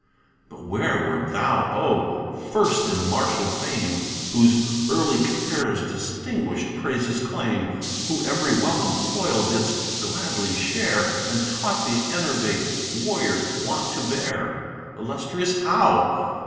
But where wert thou, oh! first in martial fame, Whose early cares distinguish'd praises claim, Who ev'ry welcome toil didst gladly share And taught th' enervate warrior want to bear? Illustrious Howe!